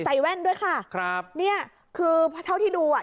แว่นด้วยค่ะครับเนี่ยคือเท่าที่ดูอ่ะ